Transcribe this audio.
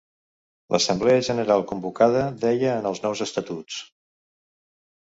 L'assemblea general convocada deia en els nous estatuts.